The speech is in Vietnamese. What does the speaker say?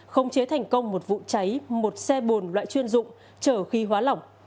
không chế thành công một vụ cháy một xe bồn loại chuyên dụng chở khí hóa lỏng